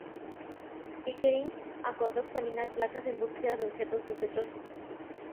Pickering acordó examinar placas en búsqueda de objetos sospechosos.